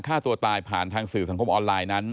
ฆ่าตัวตายผ่านทางสื่อสังคมออนไลน์นั้น